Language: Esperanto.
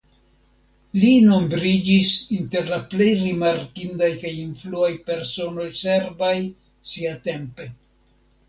Li nombriĝis inter la plej rimarkindaj kaj influaj personoj serbaj siatempe.